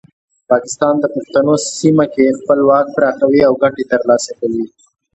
پاکستان د پښتنو سیمه کې خپل واک پراخوي او ګټې ترلاسه کوي.